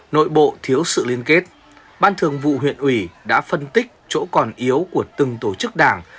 nội bộ thiếu sự liên kết ban thường vụ huyện ủy đã phân tích chỗ còn yếu của từng tổ chức đảng